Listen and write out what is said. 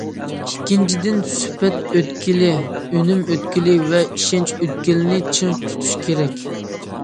ئىككىنچىدىن، سۈپەت ئۆتكىلى، ئۈنۈم ئۆتكىلى ۋە ئىشەنچ ئۆتكىلىنى چىڭ تۇتۇش كېرەك.